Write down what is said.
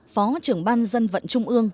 phó trưởng ban dân vận trung ương